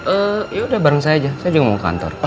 eh yaudah bareng saya aja saya juga mau ke kantor